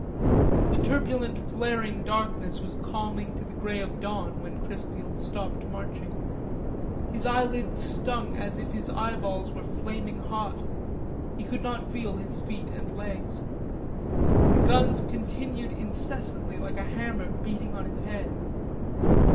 The turbulent flaring darkness was calming to the grey of dawn when Chrisfield stopped marching. His eyelids stung as if his eyeballs were flaming hot. He could not feel his feet and legs. The guns continued incessantly like a hammer beating on his head.